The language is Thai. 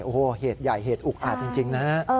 โอ้โหเหตุใหญ่เหตุอุกอาจจริงนะฮะ